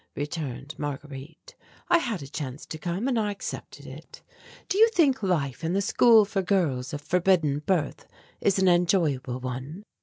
returned Marguerite. "I had a chance to come, and I accepted it. Do you think life in the school for girls of forbidden birth is an enjoyable one?"